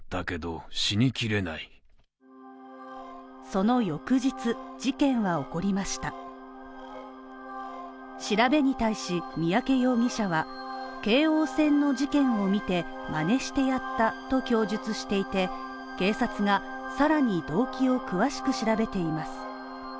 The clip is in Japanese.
その翌日事件は起こりました調べに対し三宅容疑者は京王線の事件を見て真似してやったと供述していて警察がさらに動機を詳しく調べています。